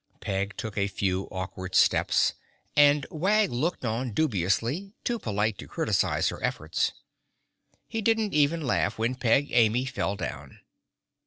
Peg took a few awkward steps and Wag looked on dubiously, too polite to criticize her efforts. He didn't even laugh when Peg Amy fell down.